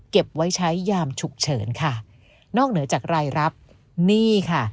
เก็บไว้ใช้ยามฉุกเฉินค่ะนอกเหนือจากรายรับหนี้ค่ะ